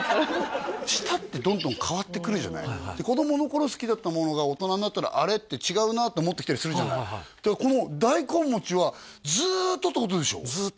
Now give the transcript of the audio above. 舌ってどんどん変わってくるじゃない子供の頃好きだったものが大人になったら「あれ？」って「違うな」って思ってきたりするじゃないこの大根餅はずっとってことでしょ？